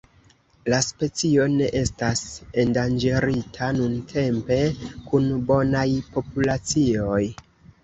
La specio ne estas endanĝerita nuntempe, kun bonaj populacioj.